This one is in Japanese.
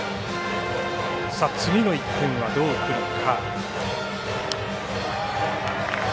次の１点はどうくるのか。